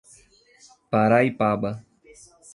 Paraipaba